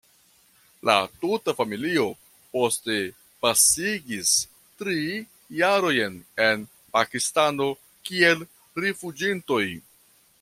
La tuta familio poste pasigis tri jarojn en Pakistano kiel rifuĝintoj.